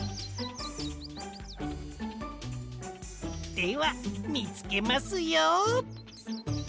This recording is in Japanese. ではみつけますよ！